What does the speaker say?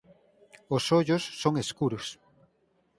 Os ollos son escuros.